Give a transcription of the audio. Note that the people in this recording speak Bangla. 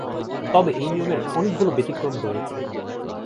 তবে এই নিয়মের অনেকগুলো ব্যতিক্রম রয়েছে।